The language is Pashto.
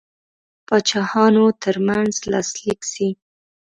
پاچاهانو ترمنځ لاسلیک سي.